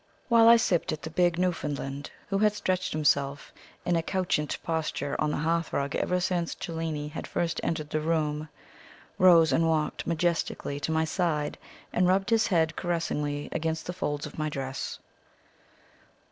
While I sipped it the big Newfoundland, who had stretched himself in a couchant posture on the hearth rug ever since Cellini had first entered the room, rose and walked majestically to my side and rubbed his head caressingly against the folds of my dress.